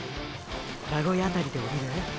名古屋あたりで降りる？